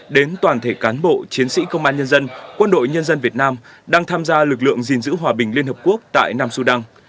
đến toàn thể cán bộ chiến sĩ công an nhân dân quân đội nhân dân việt nam đang tham gia lực lượng gìn giữ hòa bình liên hợp quốc tại nam sudan